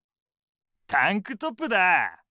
タンクトップだぁ！